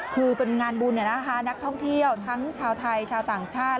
คือเป็นงานบุญนักท่องเที่ยวทั้งชาวไทยชาวต่างชาติ